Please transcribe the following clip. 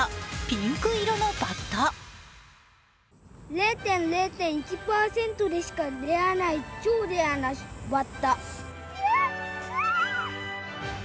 ０．０１％でしか出会わない超レアなバッタ。